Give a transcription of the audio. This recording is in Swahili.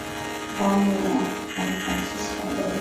Ndani ya San Francisco Bay.